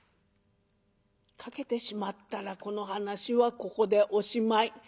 かけてしまったらこの噺はここでおしまい。